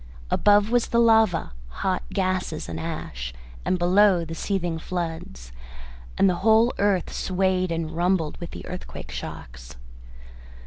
Above was the lava, hot gases and ash, and below the seething floods, and the whole earth swayed and rumbled with the earthquake shocks.